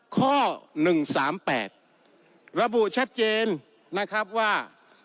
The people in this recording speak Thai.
ข้อหนึ่งสามแปดระบู่ชัดเจนนะครับว่า